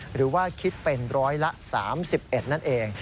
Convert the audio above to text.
หรือว่าคิดเป็น๑๓๑ล้านลูกบาทเมตรนั่นเอง